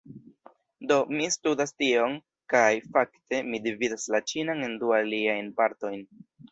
Do, mi studas tion kaj, fakte, mi dividas la ĉinan en du aliajn partojn